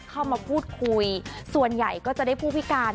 เข้ามาพูดคุยส่วนใหญ่ก็จะได้ผู้พิการ